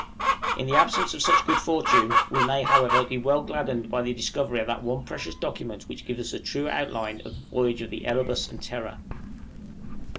In the absence of such good fortune we may, however, well be gladdened by the discovery of that one precious document which gives us a true outline of the voyage of the 'Erebus' and 'Terror.'